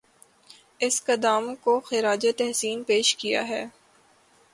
اس قدام کو خراج تحسین پیش کیا ہے